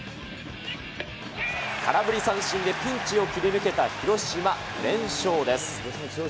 空振り三振でピンチを切り抜けた広島、連勝です。